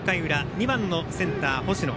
２番のセンター、星野。